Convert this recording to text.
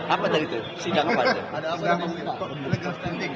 apa tadi itu sidang apa aja